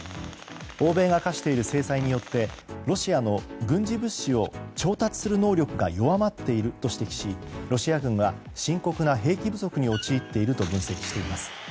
欧米が科している制裁によってロシアの軍事物資を調達する能力が弱まっていると指摘しロシア軍は深刻な兵器不足に陥っていると分析しています。